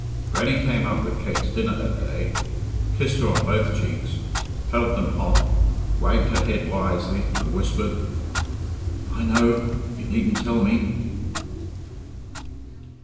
Grannie came up with Kate's dinner that day, kissed her on both cheeks, felt them hot, wagged her head wisely, and whispered, "I know you needn't tell _me!